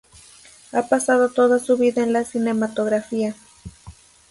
Ha pasado toda su vida en la cinematografía.